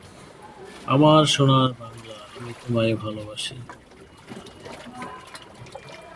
কি কাপড় পরেছে একটু তো লজ্জা রাখো?